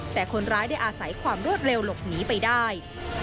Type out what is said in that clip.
แต่คนร้ายได้อาศัยความรวดเร็วหลบหนีไปได้